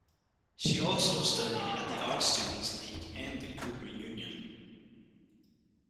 She also studied at the Art Students League and the Cooper Union.